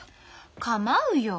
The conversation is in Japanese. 構うよ。